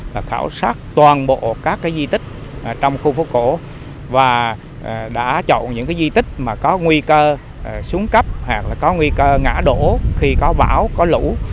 và khảo sát toàn bộ các di tích trong khu phố cổ và đã chọn những di tích mà có nguy cơ xuống cấp hoặc là có nguy cơ ngã đổ khi có bão có lũ